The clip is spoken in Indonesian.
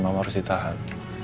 mama harus ditahan